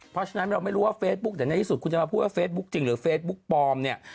เพราะฉะนั้นเราไม่รู้ว่าเฟซบุ๊กเดี๋ยวในที่สุดคุณจะมาพูดว่าเฟซบุ๊คจริงหรือเฟซบุ๊กปลอมเนี่ย